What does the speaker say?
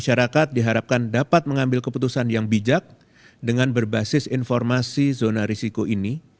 masyarakat diharapkan dapat mengambil keputusan yang bijak dengan berbasis informasi zona risiko ini